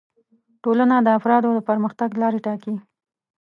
ټولنه د افرادو د پرمختګ لارې ټاکي